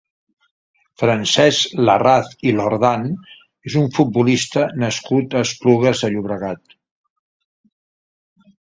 Francesc Larraz i Lordan és un futbolista nascut a Esplugues de Llobregat.